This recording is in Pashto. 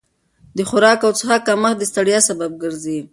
د خوراک او څښاک کمښت د ستړیا سبب ګرځي.